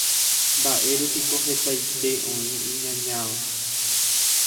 Mba'érepiko hetaite oĩ iñañáva.